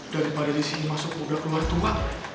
daripada disini masuk boleh keluar tua